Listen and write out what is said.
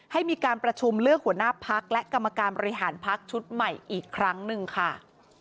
ให้มีการประชุมเลือกหัวหน้าพักและกรรมการบริหารพักชุดใหม่อีกครั้งหนึ่งค่ะ